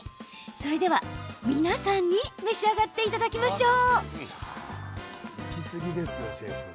それでは、皆さんに召し上がっていただきましょう。